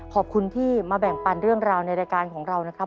ขอบคุณที่มาแบ่งปันเรื่องราวในรายการของเรานะครับ